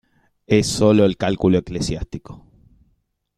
Es solo el "cálculo eclesiástico".